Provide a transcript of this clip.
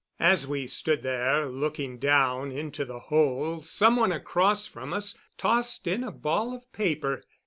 As we stood there looking down into the hole some one across from us tossed in a ball of paper.